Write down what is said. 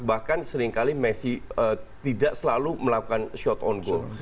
bahkan seringkali messi tidak selalu melakukan shot on goal